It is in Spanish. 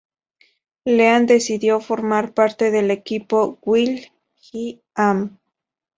Leah decidió formar parte del Equipo Will.i.am.